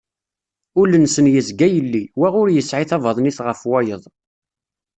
Ul-nsen yezga yelli, wa ur yesɛi tabaḍnit ɣef wayeḍ.